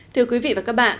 thưa quý vị và các bạn